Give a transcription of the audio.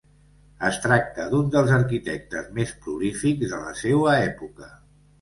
Es tracta d'un dels arquitectes més prolífics de la seua època.